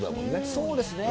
そうですね。